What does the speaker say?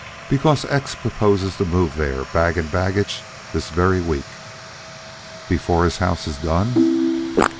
"Because X proposes to move there, bag and baggage, this very week." "Before his house is done?"